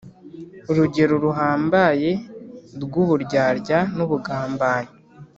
urugero ruhambaye rw'uburyarya n'ubugambanyi,